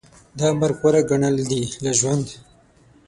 دا مرګ غوره ګڼل دي له ژوند